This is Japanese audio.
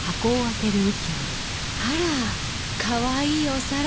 あらかわいいお皿！